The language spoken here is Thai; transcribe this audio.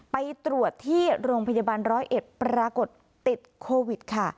ไปตรวจที่โรงพยาบาลร้อยเอ็ดปรากฏติดโควิดค่ะ